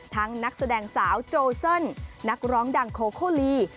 นักแสดงสาวโจเซิลนักร้องดังโคโคลี